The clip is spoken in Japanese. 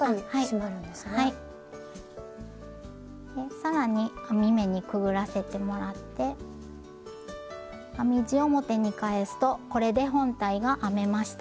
更に編み目にくぐらせてもらって編み地を表に返すとこれで本体が編めました。